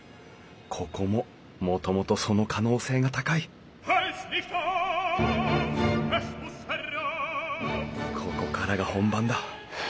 ここももともとその可能性が高いここからが本番だ。